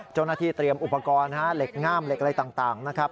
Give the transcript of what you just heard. เจ้าหน้าที่เตรียมอุปกรณ์เหล็กงามอะไรต่างนะครับ